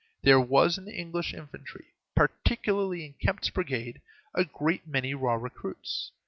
There was in the English infantry, particularly in Kempt's brigade, a great many raw recruits.